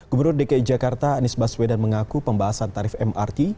gubernur dki jakarta anies baswedan mengaku pembahasan tarif mrt